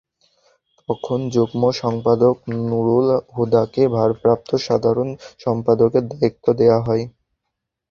তখন যুগ্ম সম্পাদক নুরুল হুদাকে ভারপ্রাপ্ত সাধারণ সম্পাদকের দায়িত্ব দেওয়া হয়।